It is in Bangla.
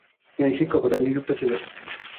তিনি শিক্ষতায় নিযুক্ত ছিলেন।